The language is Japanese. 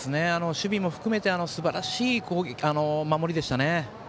守備も含めすばらしい守りでした。